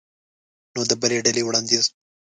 نو د بلې ډلې وړاندیز